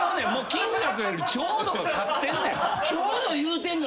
金額より「ちょうど」が勝ってんねん。